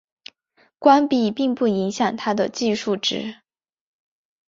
关闭并不影响它的计数值。